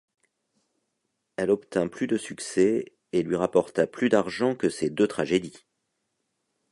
Elle obtint plus de succès et lui rapporta plus d'argent que ses deux tragédies.